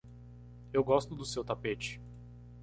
Eu gosto do seu tapete.